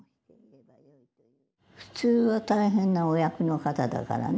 普通は大変なお役の方だからね